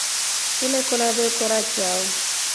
Ulekolya vamekora chao.